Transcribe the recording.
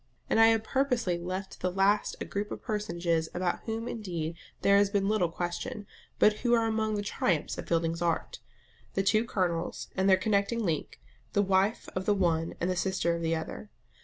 And I have purposely left to the last a group of personages about whom indeed there has been little question, but who are among the triumphs of Fielding's art the two Colonels and their connecting link, the wife of the one and the sister of the other.